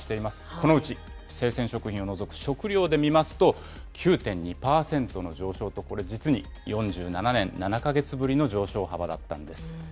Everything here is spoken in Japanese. このうち、生鮮食品を除く食料で見ますと、９．２％の上昇と、これ、実に４７年７か月ぶりの上昇幅だったんです。